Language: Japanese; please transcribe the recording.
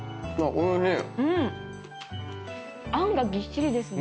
おいしい。